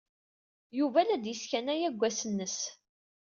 Yuba la d-yesskanay aggas-nnes.